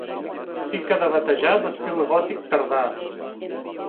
Pica de batejar d'estil gòtic tardà.